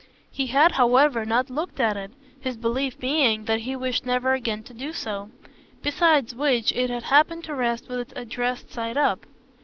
He had however not looked at it his belief being that he wished never again to do so; besides which it had happened to rest with its addressed side up.